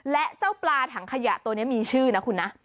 และเจ้าปลาถังขยะตัวนี้มีชื่อนะคุณนะ